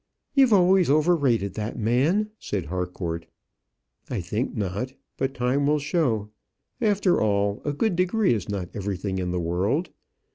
"You always overrated that man," said Harcourt. "I think not; but time will show. After all, a good degree is not everything in the world.